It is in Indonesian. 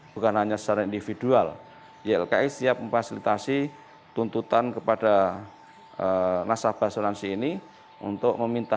bukan hanya secara individual ylki siap memfasilitasi tuntutan kepada nasabah asuransi ini untuk meminta